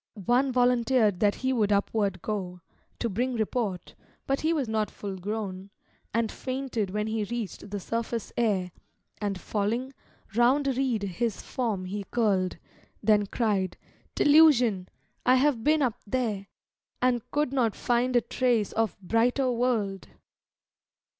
One volunteered that he would upward go, To bring report; but he was not full grown, And fainted when he reached the surface air, And falling, round a reed his form he curled, Then cried, "Delusion! I have been up there. And could not find a trace of brighter world."